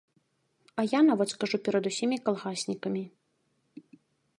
А я нават скажу перад усімі калгаснікамі.